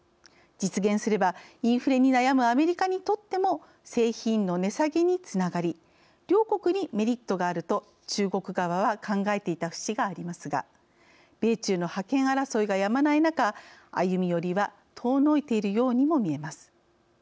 実現すれば、インフレに悩むアメリカにとっても製品の値下げにつながり両国にメリットがあると中国側は考えていた節がありますが米中の覇権争いがやまない中歩み寄りは遠のいているようにもみえます。